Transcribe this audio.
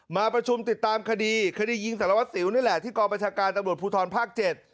มาประชุมติดตามคดีคดียิงสารวัสสิวนี่แหละที่กองประชาการตำรวจภูทรภาคเจ็ด